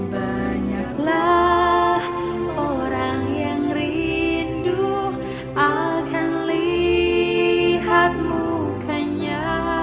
banyaklah orang yang rindu akan lihat mukanya